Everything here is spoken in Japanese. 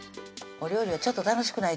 お料理はちょっと楽しくないとね